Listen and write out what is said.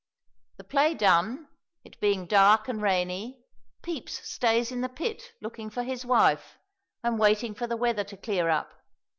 The play done, it being dark and rainy, Pepys stays in the pit looking for his wife and waiting for the weather to clear up.